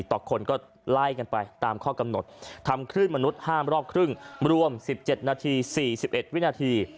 ต่อคนก็ไล่กันไปตามข้อกำหนดทำคลื่นมนุษย์ห้ามรอบครึ่งรวม๑๗นาที๔๑วินาที